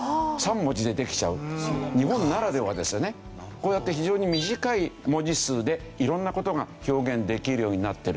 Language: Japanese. こうやって非常に短い文字数でいろんな事が表現できるようになってる。